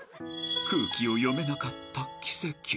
［空気を読めなかった奇跡］